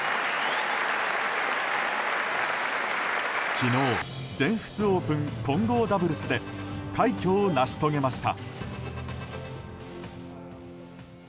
昨日、全仏オープン混合ダブルスで快挙を成し遂げました。